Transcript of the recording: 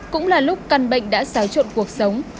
cũng là lúc căn bệnh đã xáo trộn cuộc sống